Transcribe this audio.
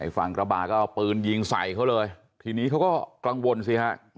ฝั่งกระบาดก็เอาปืนยิงใส่เขาเลยทีนี้เขาก็กังวลสิฮะ